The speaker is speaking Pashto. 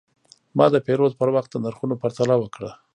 ما د پیرود پر وخت د نرخونو پرتله وکړه.